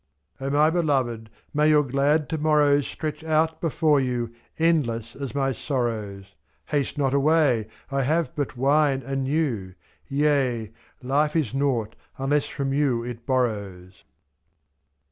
50 O my beloved, may your glad to morrows Stretch out before you, endless as my sorrows; '^^^ Haste not away, I have but wine and you. Tea! life is nought unless from you it borrows.